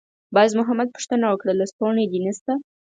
باز محمد پوښتنه وکړه: «لستوڼی دې نشته؟»